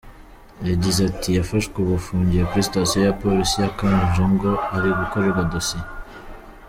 Yagize ati “Yafashwe ubu afungiye kuri Sitasiyo ya Polisi ya Kanjongo, ari gukorerwa dosiye.